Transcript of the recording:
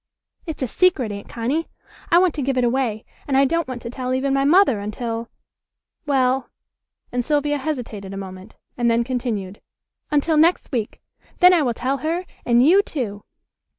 "It's a secret, Aunt Connie! I want to give it away, and I don't want to tell even my mother until well," and Sylvia hesitated a moment, and then continued, "until next week. Then I will tell her, and you too."